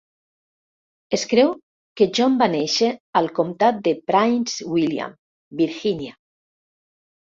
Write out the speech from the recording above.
Es creu que John va néixer al comtat de Prince William, Virgínia.